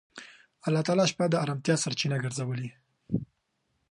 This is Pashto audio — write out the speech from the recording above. الله تعالی شپه د آرامتیا سرچینه ګرځولې.